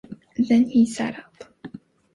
Then he sat up.